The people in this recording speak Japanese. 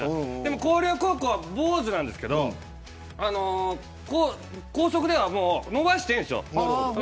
広陵高校は坊主なんですけど校則では伸ばしていいんです。